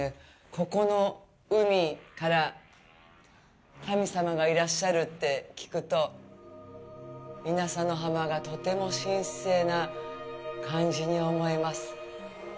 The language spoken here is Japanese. ここの海から神様がいらっしゃるって聞くと稲佐の浜がとても神聖な感じに思えます。